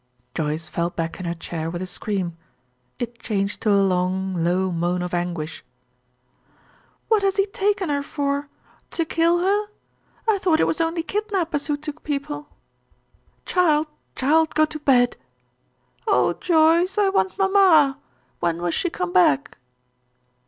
Joyce fell back in her chair with a scream. It changed to a long, low moan of anguish. "What has he taken her for to kill her? I thought it was only kidnappers who took people." "Child, child, go to bed." "Oh, Joyce, I want mamma. When will she come back?"